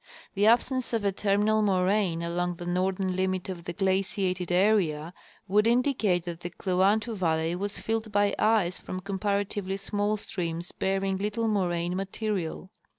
The absence of a terminal moraine along the northern limit of the glaciated area would indicate that the Kluantu valley was filled by ice from comparatively small streams bearing little moraine material.